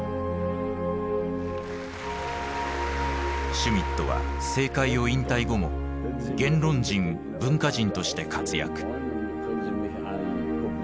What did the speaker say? シュミットは政界を引退後も言論人文化人として活躍。